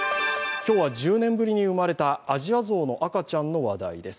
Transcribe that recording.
今日は１０年ぶりに生まれたアジアゾウの赤ちゃんの話題です。